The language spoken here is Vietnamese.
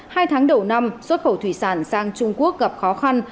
hai tháng đầu năm xuất khẩu thủy sản sang trung quốc gặp khó khăn